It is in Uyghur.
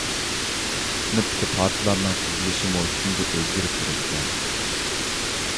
سىنىپتىكى پارتىلارنىڭ تىزىلىشىمۇ كۈندە ئۆزگىرىپ تۇرىدىكەن.